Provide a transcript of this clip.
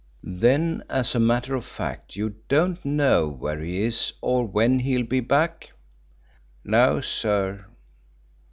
"Then, as a matter of fact, you don't know where he is or when he'll be back?" "No, sir."